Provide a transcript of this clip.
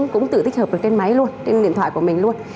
cũng tự tích hợp được trên máy luôn trên điện thoại của mình luôn